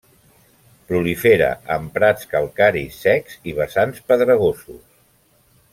Prolifera en prats calcaris secs i vessants pedregosos.